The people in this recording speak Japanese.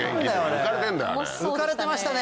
浮かれてましたね！